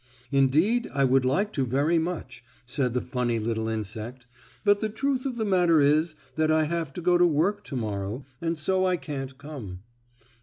"Indeed, I would like to very much," said the funny little insect, "but the truth of the matter is that I have to go to work to morrow, and so I can't come."